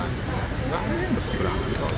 nggak ada yang berseberang gitu